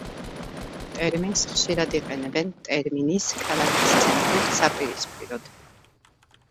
ტერმინს ხშირად იყენებენ ტერმინის „ქალაქის ცენტრი“ საპირისპიროდ.